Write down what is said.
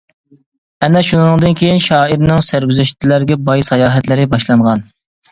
ئەنە شۇنىڭدىن كېيىن، شائىرنىڭ سەرگۈزەشتلەرگە باي ساياھەتلىرى باشلانغان.